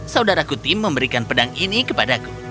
saudaraku tim memberikan pedang ini kepadaku